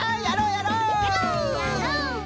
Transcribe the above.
やろう！